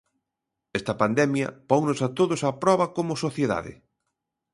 Esta pandemia ponnos a todos á proba como sociedade.